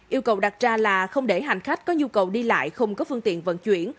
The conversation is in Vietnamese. yêu cầu đặt ra là không để hành khách có nhu cầu đi lại không có phương tiện vận chuyển